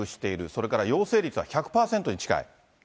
それから陽性率は１００％に近い？